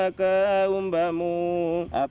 sehingga kita bisa melakukan peradaban yang baik